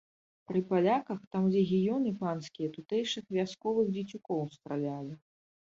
Пры паляках там легіёны панскія тутэйшых вясковых дзецюкоў стралялі.